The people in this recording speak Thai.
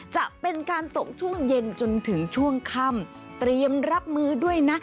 จะเป็นการตกช่วงเย็นจนถึงช่วงค่ำเตรียมรับมือด้วยนะ